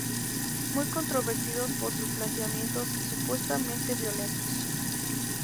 Muy controvertidos por sus planteamientos y supuestamente violentos.